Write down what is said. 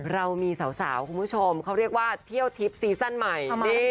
เรามีสาวคุณผู้ชมเขาเรียกว่าเที่ยวทิพย์ซีซั่นใหม่